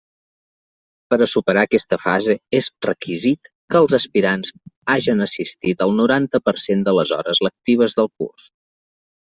Per a superar aquesta fase és requisit que els aspirants hagen assistit al noranta per cent de les hores lectives del curs.